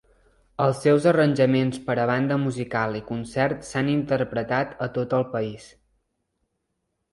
Els seus arranjaments per a banda musical i concert s'han interpretat a tot el país.